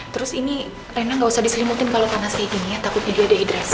terus ini rena gak usah diselimutin kalo panas kayak gini ya takutnya dia dehidrasi